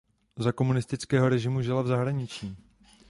Za komunistického režimu žila v zahraničí.